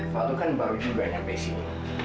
valdo kan baru juga nyampe sini